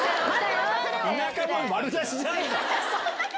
田舎者丸出しじゃないか！